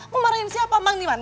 memarahin siapa bang niman